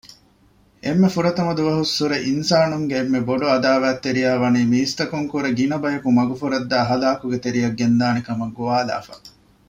އެންމެ ފުރަތަމަ ދުވަހުއްސުރެ އިންސާނުންގެ އެންމެބޮޑު ޢަދާވާތްތެރިޔާވަނީ މީސްތަކުންކުރެ ގިނަބަޔަކު މަގުފުރައްދައި ހަލާކުގެތެރެއަށް ގެންދާނެކަމަށް ގޮވާލައިފަ